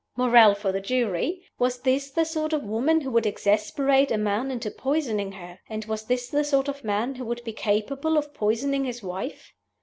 Moral for the jury: Was this the sort of woman who would exasperate a man into poisoning her? And was this the sort of man who would be capable of poisoning his wife?